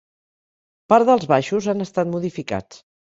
Part dels baixos han estat modificats.